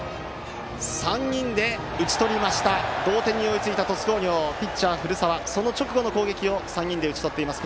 ３人で打ち取りました同点に追いついた鳥栖工業ピッチャーの古澤その直後の攻撃を３人で打ち取っています。